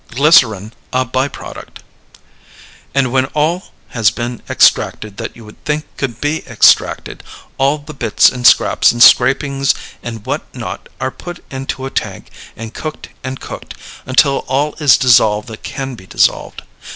Glycerin a By Product. And when all has been extracted that you would think could be extracted, all the bits and scraps and scrapings and what not are put into a tank and cooked and cooked until all is dissolved that can be dissolved.